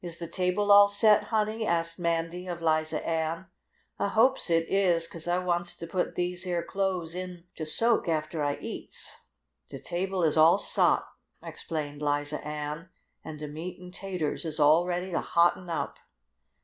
"Is de table all set, honey?" asked Mandy of Liza Ann. "I hopes it is, 'cause I wants to put dese yeah clothes in to soak after I eats." "De table is all sot," explained Liza Ann. "An' de meat an' taters is all ready to hotten up."